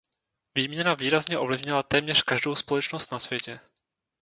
Výměna výrazně ovlivnila téměř každou společnost na světě.